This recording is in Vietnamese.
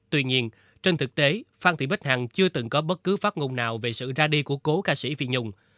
tuy nhiên trên thực tế phan thị bích hằng chưa từng có bất cứ phát ngôn nào về sự ra đi của cố ca sĩ phi nhung